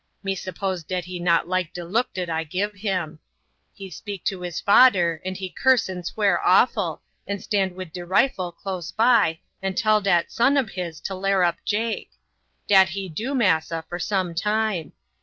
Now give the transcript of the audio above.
Me suppose dat he not like de look dat I gib him. He speak to his fader, and he curse and swear awful, and stand wid de rifle close by and tell dat son ob his to larrup Jake. Dat he do, massa, for some time.